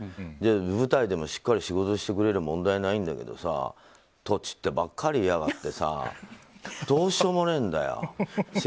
舞台でもしっかり仕事をしてくれれば問題ないんだけどさとちってばっかりいやがってさどうしようもねえんだよって。